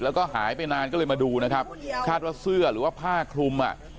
แล้วก็หายไปนานก็เลยมาดูนะครับคาดว่าเสื้อหรือว่าผ้าคลุมอ่ะ